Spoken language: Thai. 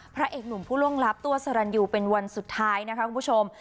พระเอกหนุ่มผู้ล่วงลับตัวสรรยูเป็นวันสุดท้ายนะคะคุณผู้ชม